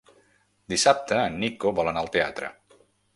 Dissabte en Nico vol anar al teatre.